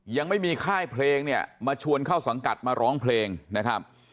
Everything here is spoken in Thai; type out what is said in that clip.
ยังไม่มีค่ายเพลงเนี่ยมาชวนเข้าสังกัดมาร้องเพลงนะครับ